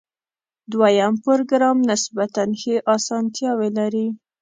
دویم پروګرام نسبتاً ښې آسانتیاوې لري.